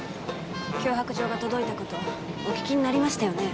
脅迫状が届いた事お聞きになりましたよね。